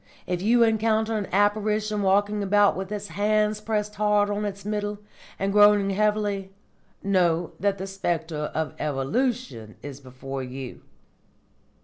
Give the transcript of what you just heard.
If you encounter an apparition walking about with hands pressed hard on its Middle, and groaning heavily, know that the spectre of Evolution is before you."